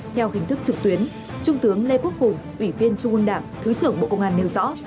theo hình thức trực tuyến trung tướng lê quốc hùng ủy viên trung ương đảng thứ trưởng bộ công an nêu rõ